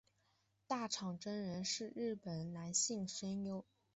大场真人是日本男性声优。